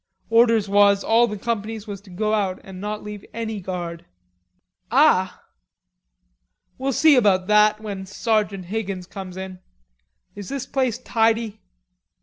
"Orders was all the companies was to go out an' not leave any guard." "Ah!' "We'll see about that when Sergeant Higgins comes in. Is this place tidy?"